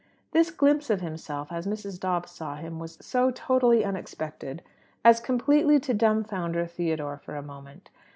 This glimpse of himself, as Mrs. Dobbs saw him, was so totally unexpected as completely to dumfounder Theodore for a moment.